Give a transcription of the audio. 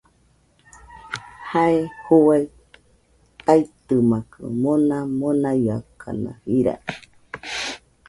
Jae juaɨ taitɨmakɨ, mona monaiakana jira